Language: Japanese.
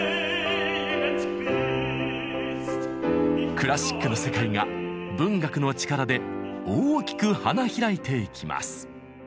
クラシックの世界が文学の力で大きく花開いていきます。